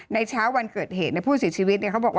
ในเช้าวันเกิดเหตุในผู้เสียชีวิตเนี่ย